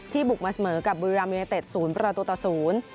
ที่บุกมาเสมอกับบุรีรามยูเนตเต็ด๐๐